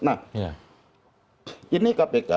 nah ini kpk